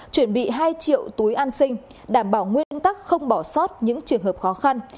chuẩn bị hai triệu túi an sinh đảm bảo nguyên tắc không bỏ sót những trường hợp khó khăn